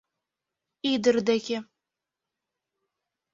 Ӱдыр деке.